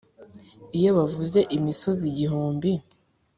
iyo bavuze imisozi igihumbi